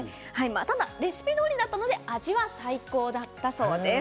ただレシピ通りだったので味は最高だったそうです。